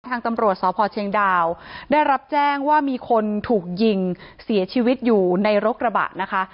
ทางตำรวจสพเชียงดาวได้รับแจ้งว่ามีคนถูกยิงเสียชีวิตอยู่ในรกระบะนะคะ